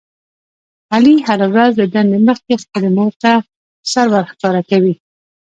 علي هره ورځ له دندې مخکې خپلې مورته سر ورښکاره کوي.